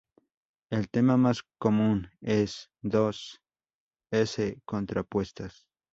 El tema más común es dos "S" contrapuestas.